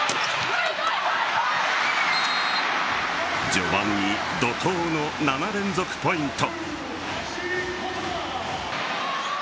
序盤に怒涛の７連続ポイント。